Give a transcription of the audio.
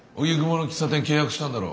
荻窪の喫茶店契約したんだろ。